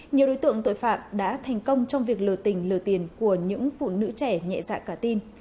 nhiều đối tượng tội phạm đã thành công trong việc lừa tình lừa tiền của những phụ nữ trẻ nhẹ dạ cả tin